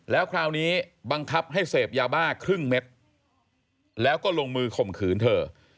แล้วคราวนี้บังคับให้เสพยาบ้าครึ่งเม็ดแล้วก็ลงมือข่มขืนเธอ